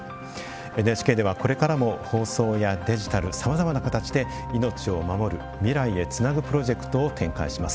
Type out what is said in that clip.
ＮＨＫでは、これからも放送やデジタル、さまざまな形で「命をまもる未来へつなぐ」プロジェクトを展開します。